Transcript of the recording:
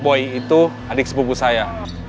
boy itu adik sepupu saya